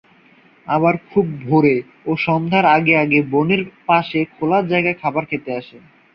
আবার খুব ভোরে ও সন্ধ্যার আগে আগে বনের পাশের খোলা জায়গায় খাবার খেতে আসে।